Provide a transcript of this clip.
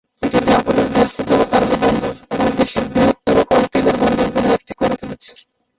এটি জাপানের ব্যস্ততম কার্গো বন্দর এবং দেশের বৃহত্তম কনটেইনার বন্দরগুলির একটি করে তুলেছে।